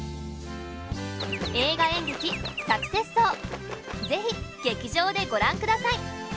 「映画演劇サクセス荘」ぜひ劇場でご覧ください